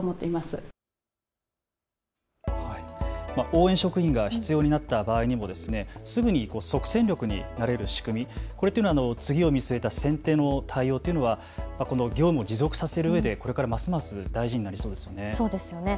応援職員が必要になった場合にもすぐに即戦力になれる仕組み、次を見据えた先手の対応というのは業務を持続させるうえでこれからますます大事になりそうですよね。